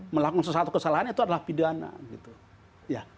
melakukan sesuatu kesalahan itu adalah pidana gitu